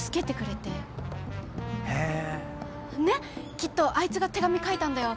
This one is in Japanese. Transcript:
きっとあいつが手紙書いたんだよ。